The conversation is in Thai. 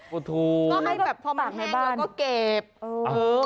ก็ให้แบบพอมาแห้งเราก็เก็บ